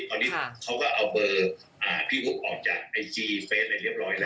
ตอนนี้เขาก็เอาเบอร์พี่หุบออกจากไอจีเฟสอะไรเรียบร้อยแล้ว